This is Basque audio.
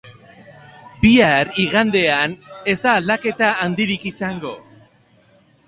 Bihar, igandean, ez da aldaketa handirik izango.